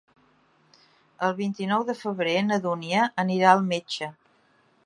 El vint-i-nou de febrer na Dúnia anirà al metge.